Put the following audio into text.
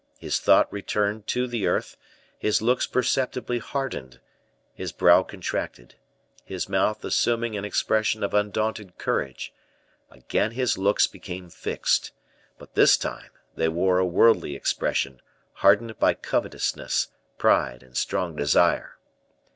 His thought returned to the earth, his looks perceptibly hardened, his brow contracted, his mouth assuming an expression of undaunted courage; again his looks became fixed, but this time they wore a worldly expression, hardened by covetousness, pride, and strong desire.